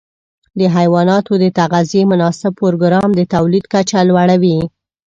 د حيواناتو د تغذیې مناسب پروګرام د تولید کچه لوړه وي.